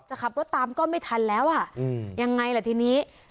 จะขับรถตามก็ไม่ทันแล้วอ่ะยังไงล่ะทีนี้